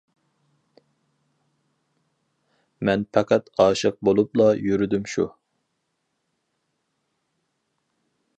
مەن پەقەت ئاشىق بولۇپلا يۈردۈم شۇ!